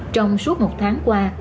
trong suốt một tháng qua